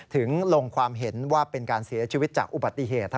ถึงลงความเห็นว่าเป็นการเสียชีวิตจากอุบัติเหตุ